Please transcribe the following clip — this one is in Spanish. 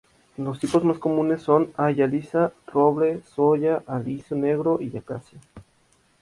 Los tipos más comunes son: haya lisa, roble, solla, aliso negro y acacia.